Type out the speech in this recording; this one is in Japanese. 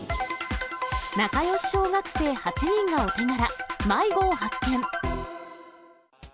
仲よし小学生８人がお手柄、迷子を発見。